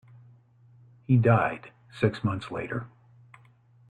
He died six months later.